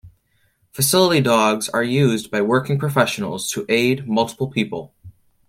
Facility dogs are used by working professionals to aid multiple people.